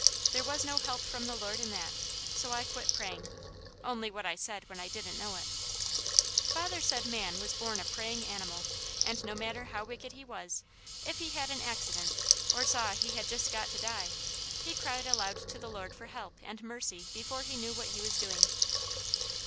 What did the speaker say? There was no help from the Lord in that, so I quit praying, only what I said when I didn't know it. Father said man was born a praying animal, and no matter how wicked he was, if he had an accident, or saw he had just got to die, he cried aloud to the Lord for help and mercy before he knew what he was doing.